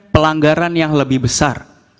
pelanggaran yang lebih besar